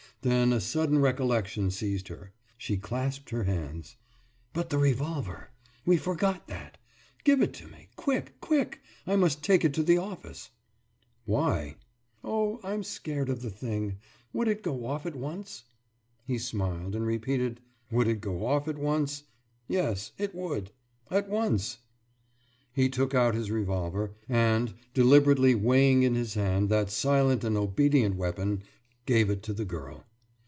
Then a sudden recollection seized her; she clasped her hands. »But the revolver we forgot that! Give it to me quick, quick! I must take it to the office.« »Why?« »Oh, I'm scared of the thing! Would it go off at once?« He smiled, and repeated: »Would it go off at once? Yes, it would. At once!« He took out his revolver, and, deliberately weighing in his hand that silent and obedient weapon, gave it to the girl.